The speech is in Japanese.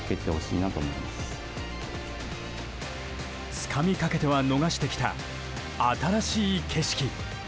つかみかけては逃してきた新しい景色。